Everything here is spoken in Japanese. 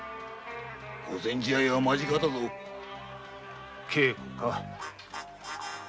御前試合は間近だぞ稽古か。